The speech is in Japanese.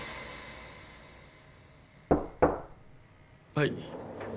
はい。